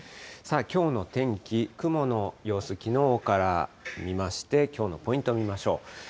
きょうの天気、雲の様子、きのうから見まして、きょうのポイントを見ましょう。